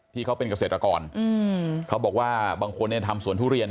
ที่เขาเป็นเกษตรกรเขาบอกว่าบางคนเนี่ยทำสวนทุเรียน